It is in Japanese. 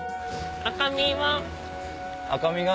赤身は？